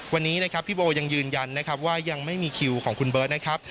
วันนี้นะครับพี่โบยังยืนยันนะครับว่ายังไม่มีคิวของคุณเบิร์ตนะครับ